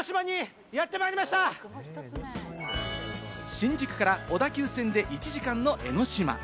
新宿から小田急線で１時間の江の島。